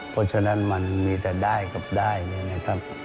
เพราะฉะนั้นมันมีแต่ได้กับได้เนี่ยนะครับ